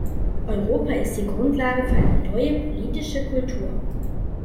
Europa ist die Grundlage für eine neue politische Kultur.